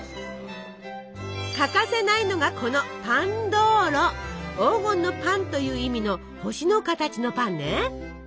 欠かせないのがこの「黄金のパン」という意味の星の形のパンね。